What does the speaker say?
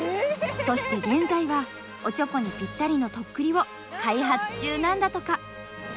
そして現在はおちょこにぴったりの「徳利」を開発中なんだとか。